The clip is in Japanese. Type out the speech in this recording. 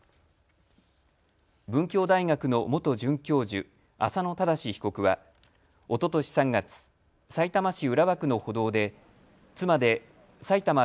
文教大学の元准教授、浅野正被告はおととし３月、さいたま市浦和区の歩道で妻でさいたま